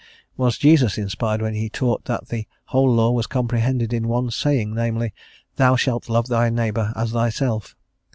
Was Jesus inspired when he taught that the whole law was comprehended in one saying, namely, "Thou shalt love thy neighbour as thyself?"